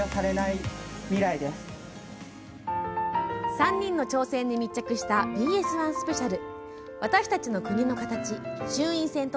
３人の挑戦に密着したＢＳ１スペシャル。